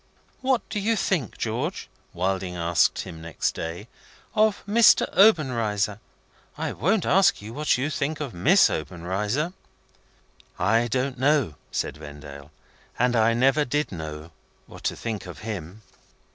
"What do you think, George," Wilding asked him next day, "of Mr. Obenreizer? (I won't ask you what you think of Miss Obenreizer.)" "I don't know," said Vendale, "and I never did know, what to think of him."